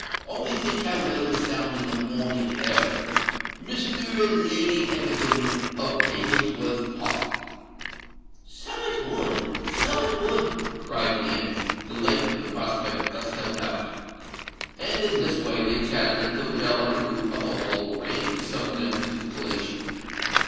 Only think how well it will sound in the Morning Herald—'Mr. and Lady Egerton, of Ravensworth Park.'" "So it would—so it would!" cried the aunt, delighted with the prospect thus held out. And in this way they chatted until the bell on the roof of the Hall rang to summon them to the collation.